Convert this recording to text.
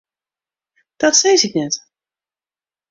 Dat sis ik net.